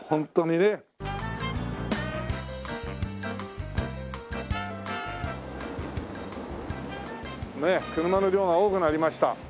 ねえ車の量が多くなりました。